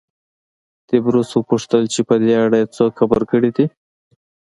تبریوس وپوښتل چې په دې اړه یې څوک خبر کړي دي